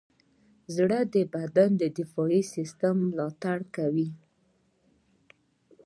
زړه د بدن د دفاعي سیستم ملاتړ کوي.